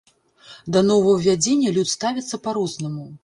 Да новаўвядзення люд ставіцца па-рознаму.